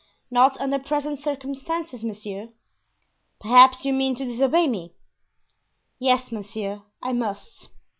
"Not under present circumstances, monsieur." "Perhaps you mean to disobey me?" "Yes, monsieur, I must."